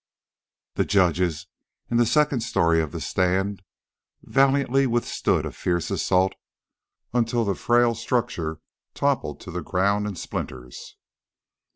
The judges, in the second story of the stand, valiantly withstood a fierce assault until the frail structure toppled to the ground in splinters.